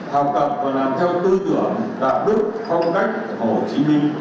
học tập và làm theo tư tưởng đạt đức phong cách